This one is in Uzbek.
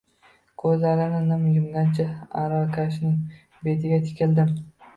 Ko`zlarimni nim yumgancha, aravakashning betiga tikildim